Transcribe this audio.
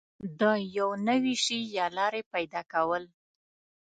د یو نوي شي یا لارې پیدا کول